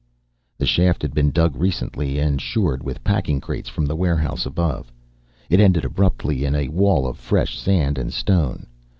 The shaft had been dug recently and shored with packing crates from the warehouse overhead. It ended abruptly in a wall of fresh sand and stone.